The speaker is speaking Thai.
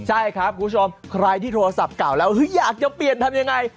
ใช่ครับคุณผู้ชมใครที่โทรศัพท์เก่าแล้วอยากจะเปลี่ยนทำยังไง